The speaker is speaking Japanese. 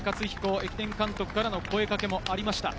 駅伝監督からの声かけがありました。